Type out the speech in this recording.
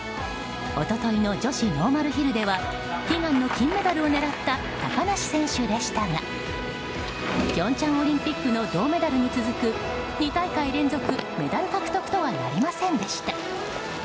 一昨日の女子ノーマルヒルでは悲願の金メダルを狙った高梨選手でしたが平昌オリンピックの銅メダルに続く２大会連続メダル獲得とはなりませんでした。